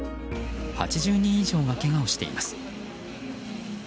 ８０人以上がけがをしています。